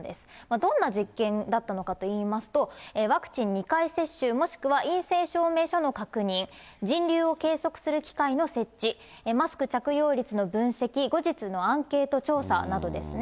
どんな実験だったのかといいますと、ワクチン２回接種、もしくは陰性証明書の確認、人流を計測する機械の設置、マスク着用率の分析、後日のアンケート調査などですね。